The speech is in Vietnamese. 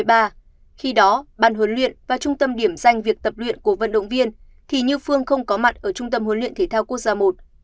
khi đó ban huấn luyện và trung tâm điểm danh việc tập luyện của vận động viên thì như phương không có mặt ở trung tâm huấn luyện thể thao quốc gia i